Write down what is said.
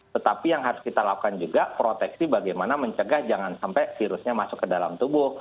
tetapi yang harus kita lakukan juga proteksi bagaimana mencegah jangan sampai virusnya masuk ke dalam tubuh